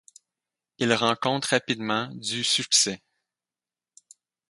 Il rencontre rapidement du succès.